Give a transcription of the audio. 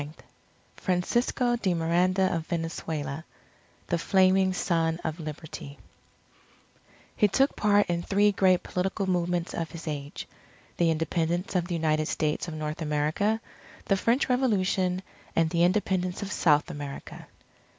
JUNE 9 FRANCISCO DE MIRANDA OF VENEZUELA THE FLAMING SON OF LIBERTY _He took part in three great political movements of his age: the Independence of the United States of North America; the French Revolution; and the Independence of South America.